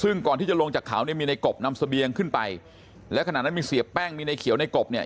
ซึ่งก่อนที่จะลงจากเขาเนี่ยมีในกบนำเสบียงขึ้นไปและขณะนั้นมีเสียแป้งมีในเขียวในกบเนี่ย